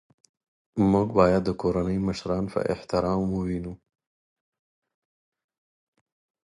موږ باید د کورنۍ مشران په احترام ووینو